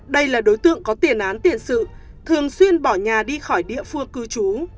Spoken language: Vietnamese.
đây là đối tượng có tiền án tiền sự thường xuyên bỏ nhà đi khỏi địa phương cư trú